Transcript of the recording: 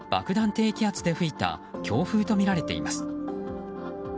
低気圧で吹いた強風とみられています。